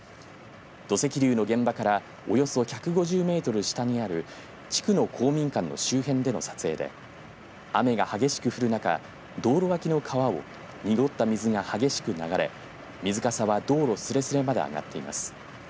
土石流の現場からおよそ１５０メートル下にある地区の公民館の周辺での撮影で雨が激しく降る中道路脇の川を濁った水が激しく流れ水かさは道路すれすれまで上がっています。